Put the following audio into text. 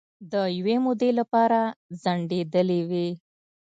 د یوې مودې لپاره ځنډیدېلې وې